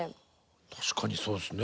確かにそうですね